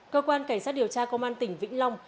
cơ quan cảnh sát điều tra công an tỉnh vĩnh long